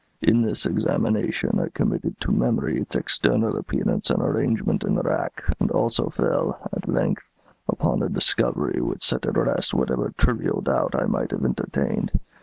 In this examination, I committed to memory its external appearance and arrangement in the rack; and also fell, at length, upon a discovery which set at rest whatever trivial doubt I might have entertained.